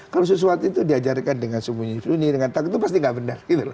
kalau sesuatu itu diajarkan dengan sembunyi sembunyi dengan takut itu pasti nggak benar